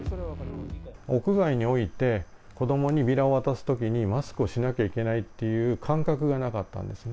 屋外において子どもにビラを渡すときにマスクをしなきゃいけないっていう感覚がなかったんですね。